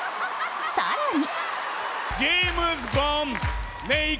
更に。